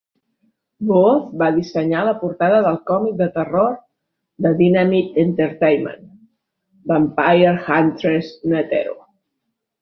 Booth va dissenyar la portada del còmic de terror de Dynamite Entertainment, Vampire Huntress Neteru.